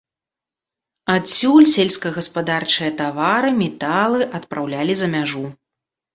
Адсюль сельскагаспадарчыя тавары, металы адпраўлялі за мяжу.